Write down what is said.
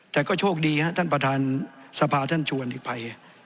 แต่ก็โชคดีฮะท่านประธานสภาท่านชวนอีกไป